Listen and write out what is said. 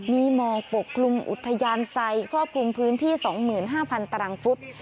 มีมองปกกรุงอุทยานไสควบคลุมพื้นที่๒๕๐๐๐ตรฟุต